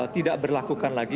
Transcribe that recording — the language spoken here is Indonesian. tidak berlakukan lagi